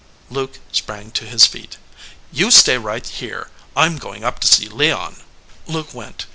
Luke sprang to his feet. "You stay right here. I m going up to see Leon." Luke went.